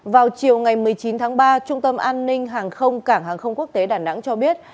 vào chiều ngày một mươi chín tháng ba trung tâm an ninh hàng không cảng hàng không quốc tế đà nẵng cho biết